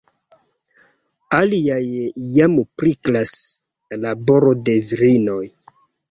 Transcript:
Aliaj jam priklas: laboro de virinoj.